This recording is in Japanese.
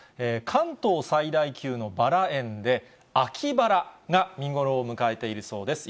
関東最大級のバラ園で、秋バラが見頃を迎えているそうです。